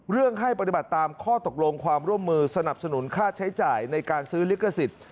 ให้ปฏิบัติตามข้อตกลงความร่วมมือสนับสนุนค่าใช้จ่ายในการซื้อลิขสิทธิ์